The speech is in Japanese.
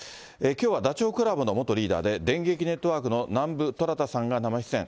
きょうはダチョウ倶楽部の元リーダーで、電撃ネットワークの南部虎弾さんが生出演。